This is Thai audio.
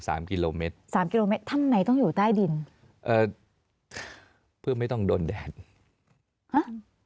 สามกิโลเมตรสามกิโลเมตรท่านไหนต้องอยู่ใต้ดินเอ่อเพื่อไม่ต้องโดนแดดฮะ